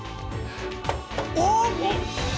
お！